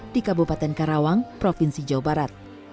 di kabupaten karawang provinsi jawa barat